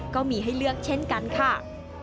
ก็มีให้เลือกเช่นกันค่ะ